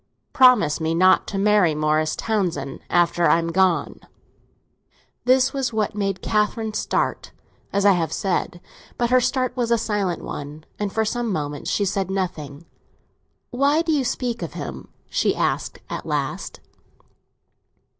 Promise me not to marry Morris Townsend after I am gone." This was what made Catherine start, as I have said; but her start was a silent one, and for some moments she said nothing. "Why do you speak of him?" she asked at last.